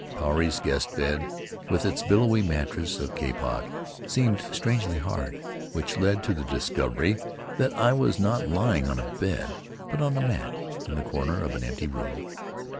Puarei's guest bed, with its billowy mattress of kapok, seemed strangely hard, which led to the discovery that I was not lying on a bed, but on a mat in the corner of an empty room.